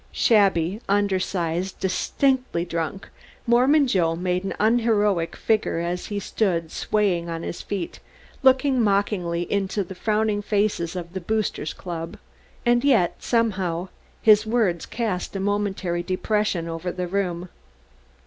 Shabby, undersized, distinctly drunk, Mormon Joe made an unheroic figure as he stood swaying on his feet looking mockingly into the frowning faces of the Boosters Club, and yet, somehow, his words cast a momentary depression over the room.